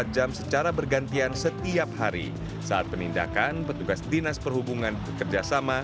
empat jam secara bergantian setiap hari saat penindakan petugas dinas perhubungan bekerjasama